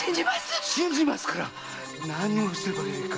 信じますから何をすればよいのかお導きを！